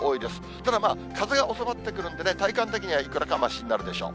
ただ、風が収まってくるんでね、体感的にはいくらかましになるでしょう。